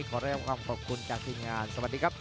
ขอเริ่มความขอบคุณจากทีมงานสวัสดีครับ